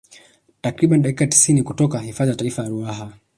Takriban dakika tisini kutoka hifadhi ya taifa ya Ruaha